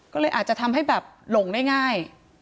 ก็เลยอาจจะทำให้แบบหลงได้ง่าย